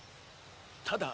ただ。